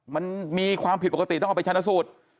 มันมีความผิดปกติต้องเอาไปชนะสูตร